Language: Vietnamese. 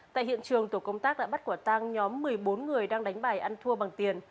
tại hiện trường tổ công tác đã bắt quả tang nhóm một mươi bốn người đang đánh bài ăn thua bằng tiền